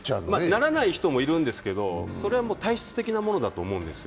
ならない人もいるんですけどそれは体質的なものだと思うんですよ。